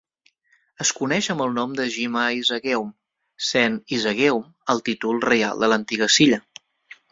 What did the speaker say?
Es coneix amb el nom de Jima Isageum, sent "isageum" el títol reial de l'antiga Silla.